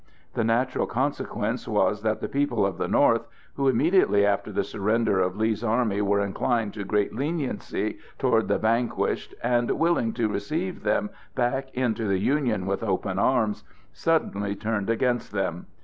The natural consequence was that the people of the North, who immediately after the surrender of Lee's army were inclined to great leniency toward the vanquished and willing to receive them back into the Union with open arms, suddenly turned against them.